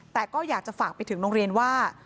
แต่ก็อยากจะฝากไปถึงโรงเรียนว่า